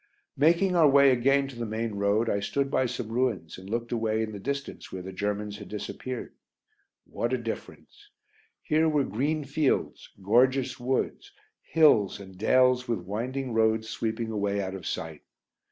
Making our way again to the main road I stood by some ruins and looked away in the distance where the Germans had disappeared. What a difference. Here were green fields, gorgeous woods, hills, and dales with winding roads sweeping away out of sight.